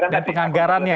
dan penganggaran ya